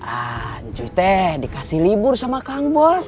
an cuy teh dikasih libur sama kang bos